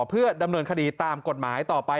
เพื่อดำเนินคดีตามกฎหมายต่อไป